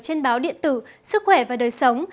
trên báo điện tử sức khỏe và đời sống